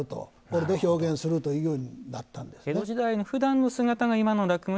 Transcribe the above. これで表現するというようになったんですね。